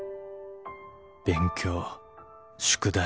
勉強宿題